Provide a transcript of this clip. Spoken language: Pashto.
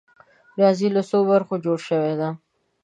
ریاضي له څو برخو جوړه شوې ده؟